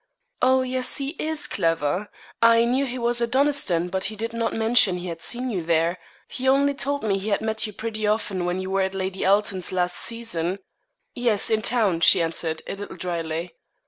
'Oh! yes he is clever; I knew he was at Donnyston, but he did not mention he had seen you there; he only told me he had met you pretty often when you were at Lady Alton's last season.' 'Yes, in town,' she answered, a little drily.